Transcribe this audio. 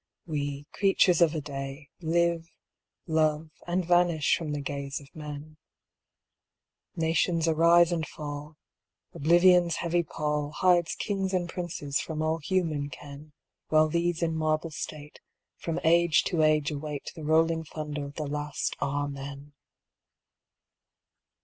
We creatures of a day Live, love, and vanish from the gaze of men ; Nations arise and fall ; Oblivion's heavy pall Hides kings and princes from all human ken, While these in marble state, From age to age await The rolling thunder of the last amen